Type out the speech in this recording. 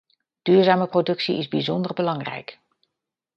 Duurzame productie is bijzonder belangrijk.